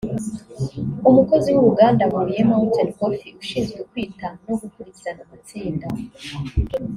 Umukozi w’uruganda Huye Mountain Coffee ushinzwe kwita no gukurikirana amatsinda